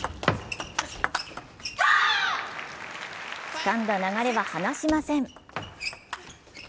つかんだ流れは放しません。